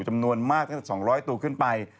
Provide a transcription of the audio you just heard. จำนวนมากประมาณสามร้อยตัวขึ้นไป